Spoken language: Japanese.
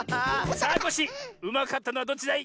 さあコッシーうまかったのはどっちだい？